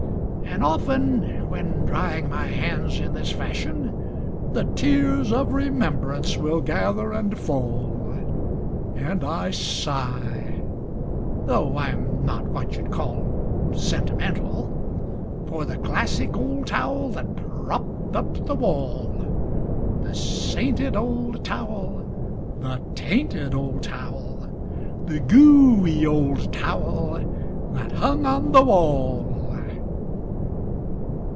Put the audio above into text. And often, when drying my hands in this fashion, The tears of remembrance will gather and fall, And I sigh (though I'm not what you'd call sentimental) For the classic old towel that propped up the wall. The sainted old towel, the tainted old towel, The gooey old towel that hung on the wall.